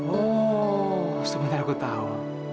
oh sementara aku tau